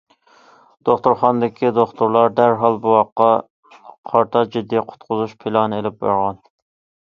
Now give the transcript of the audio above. دوختۇرخانىدىكى دوختۇرلار دەرھال بوۋاققا قارىتا جىددىي قۇتقۇزۇش پىلانىنى ئېلىپ بارغان.